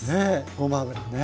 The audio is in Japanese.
ごま油ね。